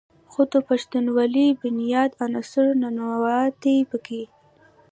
خو د پښتونولۍ بنيادي عنصر "ننواتې" پکښې